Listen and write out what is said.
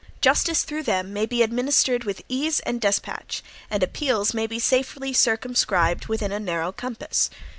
Justice through them may be administered with ease and despatch; and appeals may be safely circumscribed within a narrow compass.